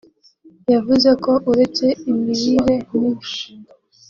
yavuze ko uretse imirire mibi